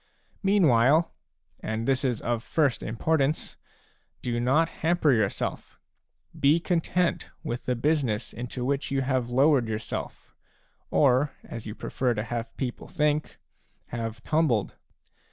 Meanwhile, — and this is of first importance, — do not hamper yourself ; be content with the business into which you have lowered yourself, or, as you prefer to have people think, have tumbled.